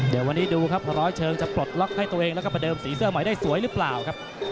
เดี๋ยววันนี้ดูครับร้อยเชิงจะปลดล็อกให้ตัวเองแล้วก็ประเดิมสีเสื้อใหม่ได้สวยหรือเปล่าครับ